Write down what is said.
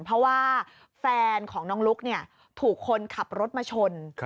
เพราะว่าแฟนของน้องลุ๊กถูกคนขับรถมาชน